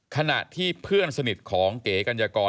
ขณะที่เพื่อนสนิทของเก๋กัญญากร